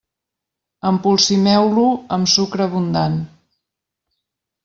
Empolsimeu-lo amb sucre abundant.